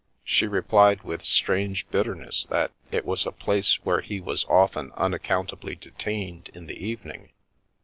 " She replied with strange bitterness that it was a place where he was often unaccountably detained in the evening.